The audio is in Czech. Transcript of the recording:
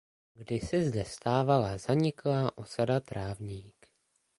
Kdysi zde stávala zaniklá osada Trávník.